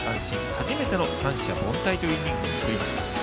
初めての三者凡退というイメージを作りました。